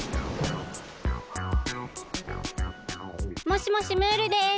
もしもしムールです。